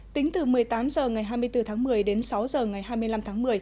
tính từ một mươi tám h ngày hai mươi bốn tháng một mươi đến sáu h ngày hai mươi năm tháng một mươi